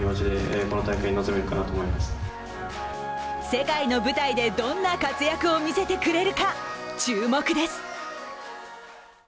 世界の舞台でどんな活躍を見せてくれるか、注目です。